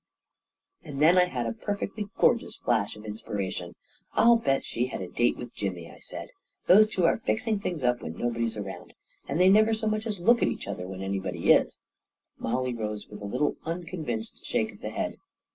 And then I had a perfectly gorgeous flash of in spiration. 44 I'll bet she had a date with Jimmy," I said. 44 Those two are fixing things up when nobody's around! And they never so much as look at each other when anybody is 1 " Mollie rose with a little unconvinced shake of the head.